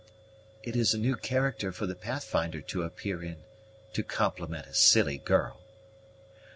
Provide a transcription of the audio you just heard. "It is a new character for the Pathfinder to appear in, to compliment a silly girl."